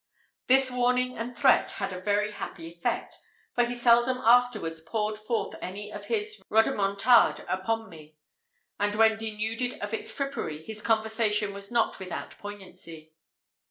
This warning and threat had a very happy effect, for he seldom afterwards poured forth any of his rodomontade upon me; and when denuded of its frippery, his conversation was not without poignancy.